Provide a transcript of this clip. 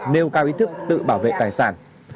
nêu cao ý thức tự bảo vệ tài sản